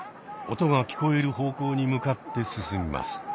音が聞こえる方向に向かって進みます。